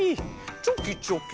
チョキチョキ？